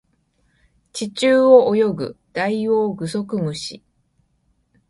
地中を泳ぐダイオウグソクムシ